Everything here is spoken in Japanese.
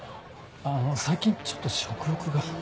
あの最近ちょっと食欲が。